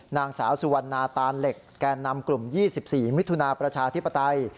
นางสาวสุวรรณาตานเหล็กแก่นำกลุ่ม๒๔มิถุนาประชาธิปไตย